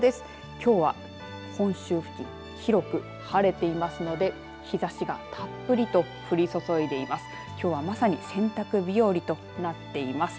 きょうは本州付近広く晴れていますので日ざしがたっぷりと降り注いでいます。